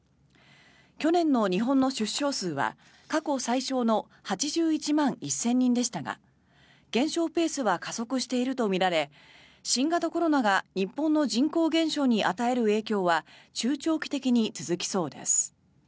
去年の日本の出生数は過去最少の８１万１０００人でしたが減少ペースは加速しているとみられ新型コロナが日本の人口減少に与える影響は中長期的に続きそうです。